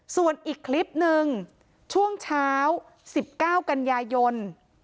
ส่วนอีกคลิปหนึ่งช่วงเช้า๑๙กันยายน